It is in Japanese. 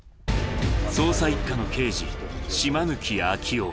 捜査一課の刑事、島貫彰夫。